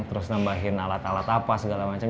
terus nambahin alat alat apa segala macam